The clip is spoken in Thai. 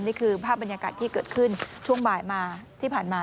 นี่คือภาพบรรยากาศที่เกิดขึ้นช่วงบ่ายมาที่ผ่านมา